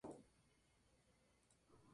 Es una secuela del libro "Parque Jurásico".